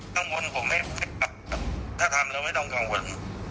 กังวลผมถ้าทำแล้วไม่ต้องกังวล